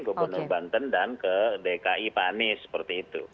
gubernur banten dan ke dki panis seperti itu